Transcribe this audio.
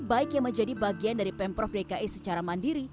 baik yang menjadi bagian dari pemprov dki secara mandiri